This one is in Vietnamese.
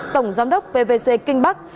tổng giám đốc pvc kinh bắc